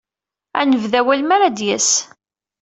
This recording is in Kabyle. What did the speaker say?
Ad nebdu awal mi ara d-yas.